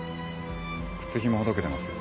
靴ひもほどけてますよ。